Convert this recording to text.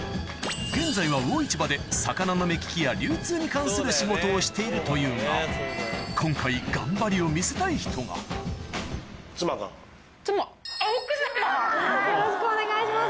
現在は魚市場で魚の目利きや流通に関する仕事をしているというが今回あっ奥さま。